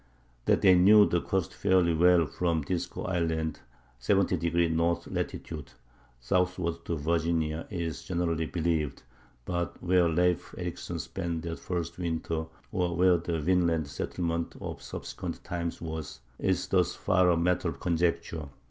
That they knew the coast fairly well from Disco Island (70° N. lat.) southward to Virginia, is generally believed; but where Leif Erikson spent that first winter, or where the Vinland settlement of subsequent times was, is thus far a matter of conjecture.